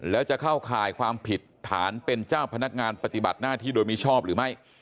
แล้วจะเข้าข่ายความผิดฐานเป็นเจ้าพนักงานปฏิบัติหน้าที่โดยมิชอบหรือไม่